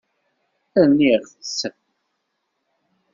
Rniɣ-tt.